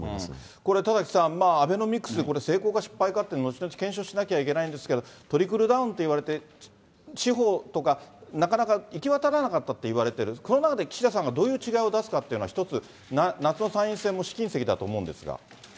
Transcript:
これ、田崎さん、アベノミクスって成功か失敗かって、のちのち検証しなきゃいけないんですけど、トリクルダウンといわれて、地方とかなかなか行き渡らなかったっていわれてる、この中で、岸田さんがどういう違いを出すかっていうのは一つ、夏の参院選もそうですね。